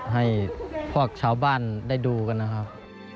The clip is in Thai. ให้พวกชาวบ้านได้ดูกันนะครับ